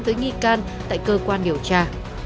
tới nghi can tại cơ quan điều tra